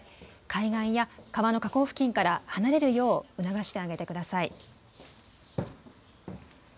海岸や川の河口付近から離れるよう促してあげてください。